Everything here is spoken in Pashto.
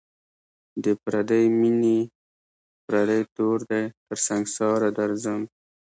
د پردۍ میني پردی تور دی تر سنگساره درځم